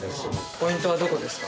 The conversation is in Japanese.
ポイントはどこですか？